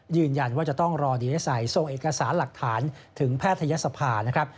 ยืนยันว่าจะต้องรอเดียวใส่ส่งเอกสารหลักฐานถึงแพทยศภานะครับ